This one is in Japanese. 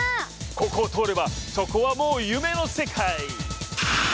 ここを通ればそこはもう夢の世界！